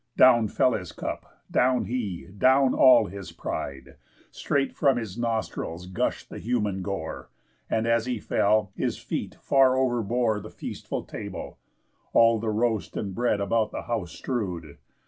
Down fell his cup, down he, down all his pride; Straight from his nostrils gush'd the human gore; And, as he fell, his feet far overbore The feastful table; all the roast and bread About the house strew'd.